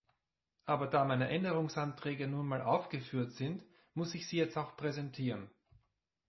Aber da meine Änderungsanträge nun mal aufgeführt sind, muss ich sie jetzt auch präsentieren.